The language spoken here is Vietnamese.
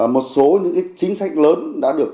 một số những chính sách lớn đã được